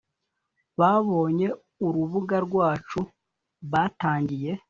babonye urubuga rwacu batangiye